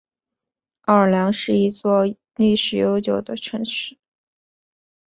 奥尔良是一座历史悠久的城市。